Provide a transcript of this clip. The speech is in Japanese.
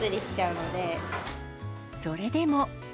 それでも。